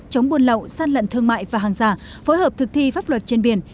chống buôn lậu gian lận thương mại và hàng giả phối hợp thực thi pháp luật trên biển